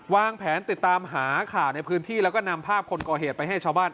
วางแผนติดตามหาข่าวในพื้นที่แล้วก็นำภาพคนก่อเหตุไปให้ชาวบ้าน